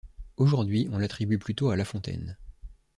Aujourd'hui on l'attribue plutôt à La Fontaine.